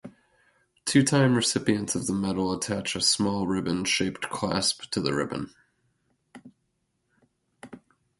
Two time recipients of the medal attach a small medal-shaped clasp to the ribbon.